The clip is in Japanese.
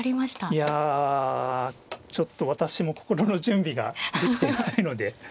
いやちょっと私も心の準備ができてないので。